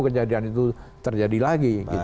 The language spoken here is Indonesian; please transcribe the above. kejadian itu terjadi lagi